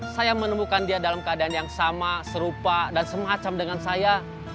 saya menemukan dia dalam keadaan yang sama serupa dan semacam dengan saya